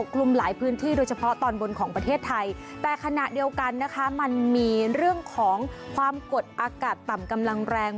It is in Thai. กลุ่มหลายพื้นที่โดยเฉพาะตอนบนของประเทศไทยแต่ขณะเดียวกันนะคะมันมีเรื่องของความกดอากาศต่ำกำลังแรง